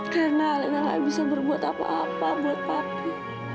karena alena gak bisa berbuat apa apa buat papi